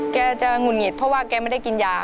แกจะหงุดหงิดเพราะว่าแกไม่ได้กินยา